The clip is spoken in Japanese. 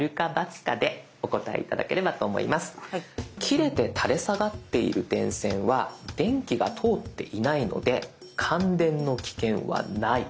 「切れて垂れ下がっている電線は電気が通っていないので感電の危険はない」。